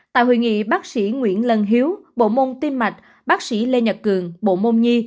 tại hội nghị bác sĩ nguyễn lân hiếu bộ môn tim mạch bác sĩ lê nhật cường bộ môn nhi